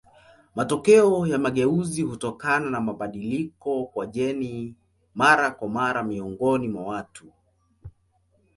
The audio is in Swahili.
Matokeo ya mageuzi hutokana na mabadiliko kwa jeni mara kwa mara miongoni mwa watu.